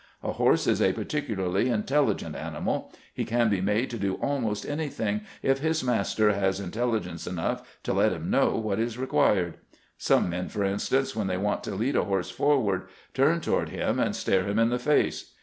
A horse is a particularly intelligent animal; he can be made to do almost any thing if his master has intelligence enough to let him know what is required. Some men, for instance, when they want to lead a horse forward, turn toward him and stare him in the face.